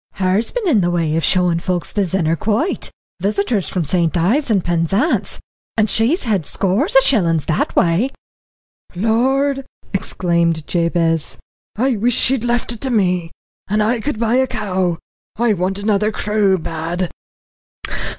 "Her's been in the way of showing folk the Zennor Quoit, visitors from St. Ives and Penzance, and she's had scores o' shillings that way." "Lord!" exclaimed Jabez. "I wish she'd left it to me, and I could buy a cow; I want another cruel bad."